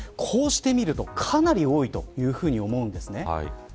こうしてみるとかなり多いと思うんです。